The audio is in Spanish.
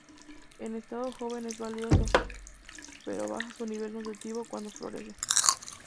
En estado joven es valioso, pero baja su nivel nutritivo cuando florece.